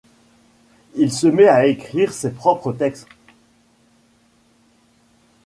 Il se met à écrire ses propres textes.